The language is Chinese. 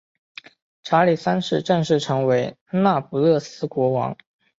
查理三世正式成为那不勒斯国王。